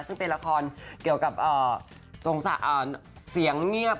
ซึ่งเป็นละครเกี่ยวกับเสียงเงียบ